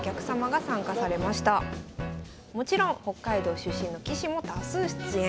もちろん北海道出身の棋士も多数出演。